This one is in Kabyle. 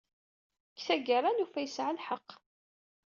Deg tgara, nufa yesɛa lḥeqq.